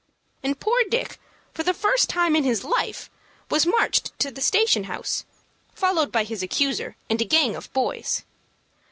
And poor Dick, for the first time in his life, was marched to the station house, followed by his accuser, and a gang of boys.